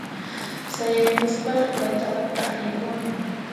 Sayaykusparaq paytaqa t'aqllaykunku.